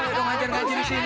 woy udah ngajar ngaji disini